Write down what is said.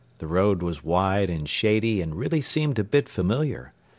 The road was wide and shady and really seemed a bit familiar.